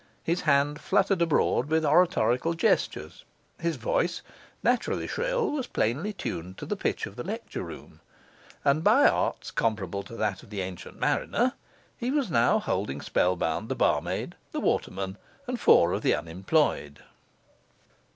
His hand fluttered abroad with oratorical gestures; his voice, naturally shrill, was plainly tuned to the pitch of the lecture room; and by arts, comparable to those of the Ancient Mariner, he was now holding spellbound the barmaid, the waterman, and four of the unemployed.